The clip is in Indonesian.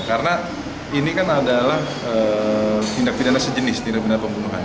karena ini kan adalah tindak pidana sejenis tindak pidana pembunuhan